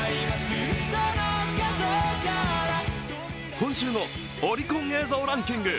今週のオリコン映像ランキング。